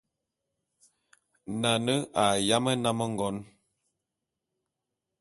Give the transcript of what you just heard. Nane a yám nnám ngon.